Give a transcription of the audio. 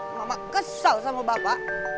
mama kesal sama bapak